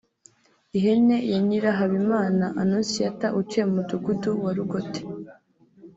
Ihene ya Nyirahabimana Annonciata utuye mu mudugudu wa Rugote